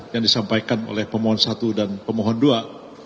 yang disampaikan oleh pemohon satu dan pemohon dua